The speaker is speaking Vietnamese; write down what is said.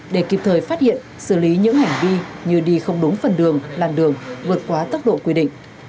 để kịp thời phát hiện xử lý những hành vi như đi không đúng phần đường làn đường vượt quá tốc độ quy định